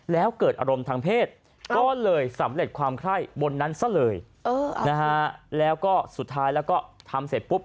แล้วเกิดอารมณ์ทางเพศก็เลยสำเร็จความไข้บนนั้นซะเลยนะฮะแล้วก็สุดท้ายแล้วก็ทำเสร็จปุ๊บ